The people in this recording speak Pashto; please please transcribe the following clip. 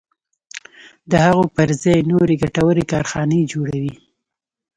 د هغو پر ځای نورې ګټورې کارخانې جوړوي.